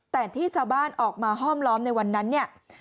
แต่ที่ชาวบ้านออกมาห้อมล้อมในวันนั้นเนี่ย